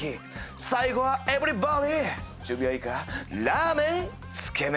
最後はエブリバディー準備はいいか？